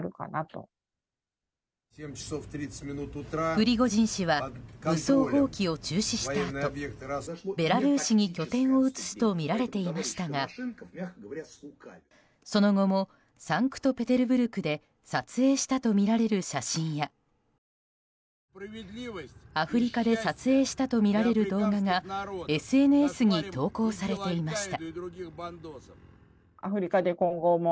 プリゴジン氏は武装蜂起を中止したあとベラルーシに拠点を移すとみられていましたがその後もサンクトペテルブルクで撮影したとみられる写真やアフリカで撮影したとみられる動画がＳＮＳに投稿されていました。